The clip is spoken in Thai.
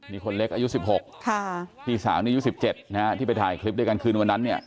นี่คนเล็กอายุ๑๖พี่สาวนี่อายุ๑๗นะฮะที่ไปถ่ายคลิปด้วยกันคืนวันนั้นเนี่ย